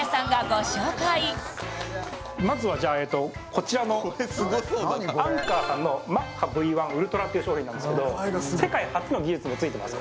こちらのアンカーさんのマッハＶ１Ｕｌｔｒａっていう商品なんですけど世界初の技術もついてます